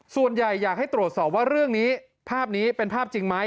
ส่วนใหญ่อยากให้ตรวจสอบว่าเรื่องนี้ภาพนี้เป็นภาพจริงไหม